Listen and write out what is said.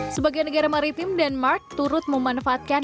sebagai negara maritim denmark turut memanfaatkan